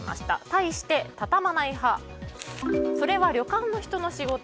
対して畳まない派それは旅館の人の仕事。